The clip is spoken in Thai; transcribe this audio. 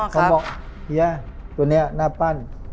เขาบอกเฮียตัวนี้หน้าปั้น